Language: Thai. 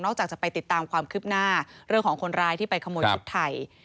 จากจะไปติดตามความคืบหน้าเรื่องของคนร้ายที่ไปขโมยชุดไทย